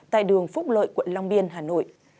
tại đường phúc lợi quận long biên hà nội